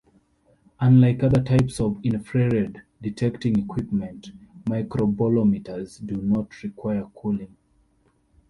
Unlike other types of infrared detecting equipment, microbolometers do not require cooling.